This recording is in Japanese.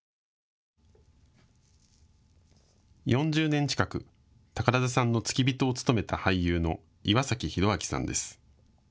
４０年近く、宝田さんの付き人を務めた俳優の岩崎浩明さんです。